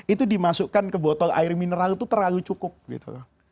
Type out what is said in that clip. itu dimasukkan ke botol air mineral itu terlalu cukup gitu loh